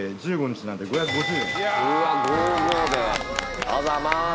ありがとうございます。